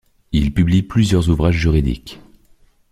Il publie plusieurs ouvrages juridiques.